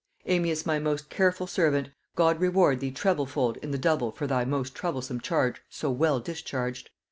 "Amias, my most careful servant, God reward thee treble fold in the double for thy most troublesome charge so well discharged!